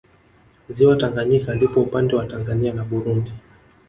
Ziwa Tanganyika lipo upande wa Tanzania na Burundi